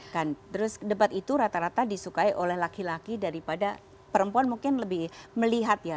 kan terus debat itu rata rata disukai oleh laki laki daripada perempuan mungkin lebih melihat ya